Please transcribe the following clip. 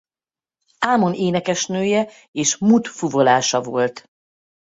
Ámon énekesnője és Mut fuvolása volt.